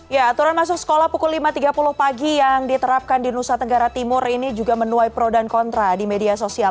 ya aturan masuk sekolah pukul lima tiga puluh pagi yang diterapkan di nusa tenggara timur ini juga menuai pro dan kontra di media sosial